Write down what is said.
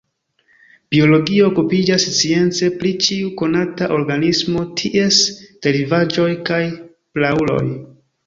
Biologio okupiĝas science pri ĉiu konata organismo, ties derivaĵoj kaj prauloj.